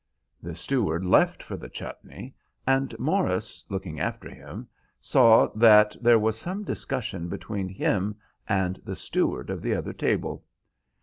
The steward left for the chutney, and Morris looking after him, saw that there was some discussion between him and the steward of the other table.